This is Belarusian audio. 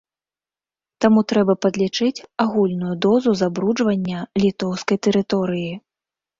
Таму трэба падлічыць агульную дозу забруджвання літоўскай тэрыторыі.